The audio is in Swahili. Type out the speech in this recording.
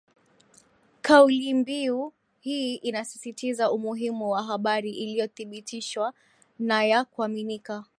Kaulimbiu hii inasisitiza umuhimu wa habari iliyothibitishwa na ya kuaminika